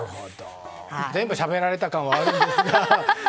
全部しゃべられた感はあるんですが。